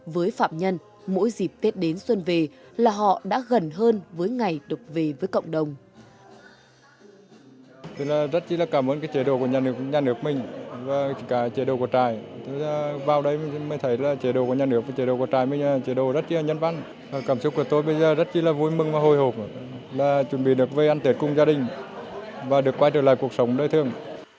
với phạm nhân mỗi dịp tết đến xuân về là họ đã gần hơn với ngày được về với cộng đồng